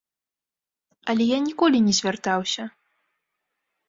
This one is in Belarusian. Але я ніколі не звяртаўся.